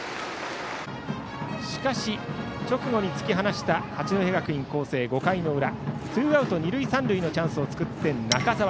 しかし、直後に突き放した八戸学院光星５回の裏ツーアウト二塁三塁のチャンスを作って中澤。